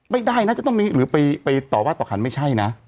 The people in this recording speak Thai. ไม่ได้นะจะต้องมีหรือไปต่อว่าต่อขันไม่ใช่นะ